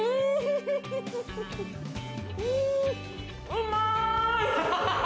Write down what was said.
うまい！